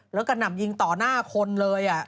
แล้วก็หนำยิงต่อหน้าคนเลย